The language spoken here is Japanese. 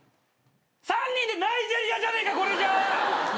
３人でナイジェリアじゃねえかこれじゃ！